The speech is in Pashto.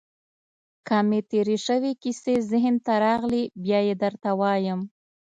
که مې تېرې شوې کیسې ذهن ته راغلې، بیا يې درته وایم.